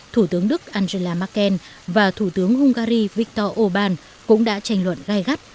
thủ tướng đức angela merkel và thủ tướng hungary viktor orbán cũng đã tranh luận gai gắt